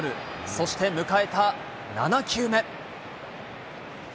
そして迎えた７球目。